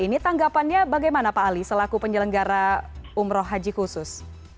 ini tanggapannya bagaimana pak ali selaku penyelenggara umroh haji khusus